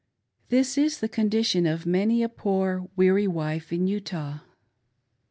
This is the condition of many a poor, weary wife in Utah.